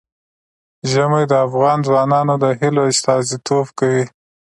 ژمی د افغان ځوانانو د هیلو استازیتوب کوي.